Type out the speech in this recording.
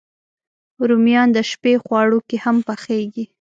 رومیان د شپی خواړو کې هم پخېږي